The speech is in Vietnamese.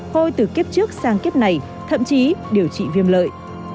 hôi từ kiếp trước sang kiếp này thậm chí điều trị viêm lợi